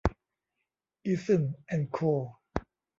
อีซึ่น แอนด์ โค